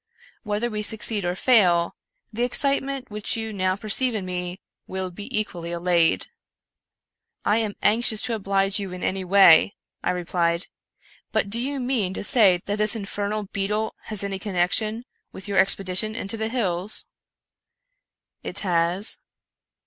Whether we succeed or fail, the excitement which you now perceive in me will be equally allayed." " I am anxious to oblige you in any way," I replied ;" but do you mean to say that this infernal beetle has any connection with your expedition into the hills ?"" It has."